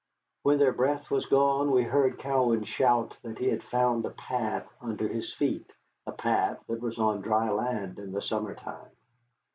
When their breath was gone we heard Cowan shout that he had found a path under his feet, a path that was on dry land in the summer time.